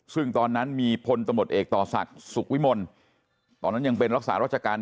ซึ่งตอนนั้นมีพลตำรวจเอกต่อศักดิ์สุขวิมลตอนนั้นยังเป็นรักษารัชการ